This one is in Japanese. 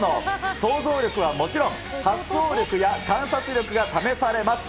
想像力はもちろん、発想力や観察力が試されます。